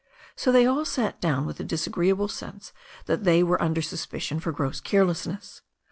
So they all sat down with the disagreeable sense that they were under suspicion for gross carelessness.